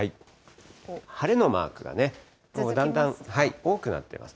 晴れのマークがね、だんだん多くなっています。